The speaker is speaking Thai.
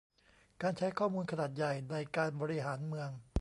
การใช้ข้อมูลขนาดใหญ่ในการบริหารเมือง